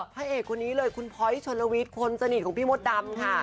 ผ้าเอกคนนี้เลยคุณโพยจชนลวิคนสนิทของพี่มดดำค่ะ